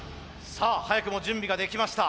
さあ早くも準備ができました。